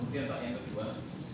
oke masih ada